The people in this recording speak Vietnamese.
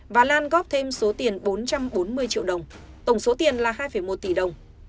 và lan góp thêm số tiền bốn trăm bốn mươi triệu đồng tổng số tiền là hai một tỷ đồng